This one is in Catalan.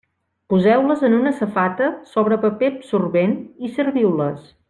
Poseu-les en una safata sobre paper absorbent i serviu-les.